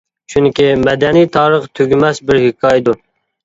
چۈنكى مەدەنىي تارىخ تۈگىمەس بىر ھېكايىدۇر.